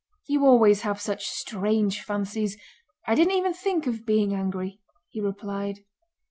"You always have such strange fancies! I didn't even think of being angry," he replied.